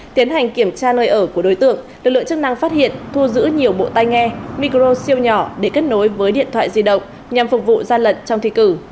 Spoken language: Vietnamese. tiến hành kiểm tra nơi ở của đối tượng lực lượng chức năng phát hiện thu giữ nhiều bộ tay nghe micro siêu nhỏ để kết nối với điện thoại di động nhằm phục vụ gian lận trong thi cử